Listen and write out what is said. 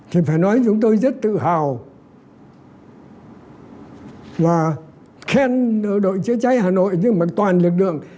thì phải nói chúng tôi rất tự hào là khen đội chữa cháy hà nội nhưng mà toàn lực lượng